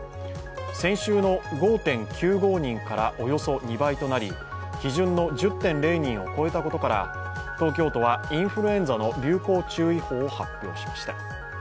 先週の５．９５人からおよそ２倍となり、基準の１０．０人を超えたことから東京都はインフルエンザの流行注意報を発表しました。